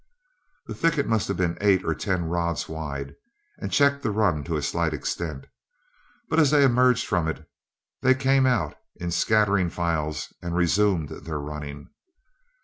This thicket must have been eight or ten rods wide, and checked the run to a slight extent; but as they emerged from it, they came out in scattering flies and resumed their running.